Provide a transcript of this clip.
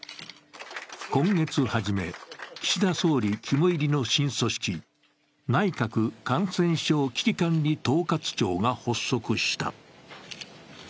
今月初め、岸田総理肝煎りの新組織、内閣感染症危機管理統括庁が発足した。